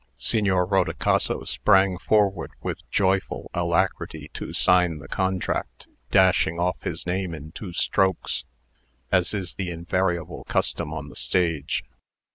Signor Rodicaso sprang forward with joyful alacrity to sign the contract, dashing off his name in two strokes, as is the invariable custom on the stage.